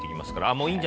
もういいの？